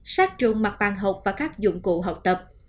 sát trùng mặt bàn học và các dụng cụ học tập